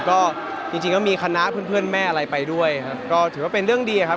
ก็จริงจริงก็มีคณะเพื่อนเพื่อนแม่อะไรไปด้วยครับก็ถือว่าเป็นเรื่องดีครับ